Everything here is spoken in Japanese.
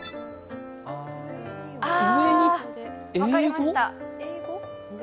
あ、分かりました。